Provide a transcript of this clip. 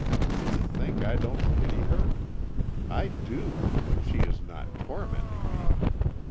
Do you think I don't pity her? I do, when she is not tormenting me.